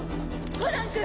コナン君！